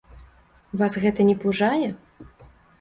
Вас гэта не пужае?